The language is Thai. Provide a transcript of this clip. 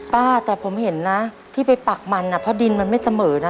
ป้าแต่ผมเห็นนะที่ไปปักมันเพราะดินมันไม่เสมอนะ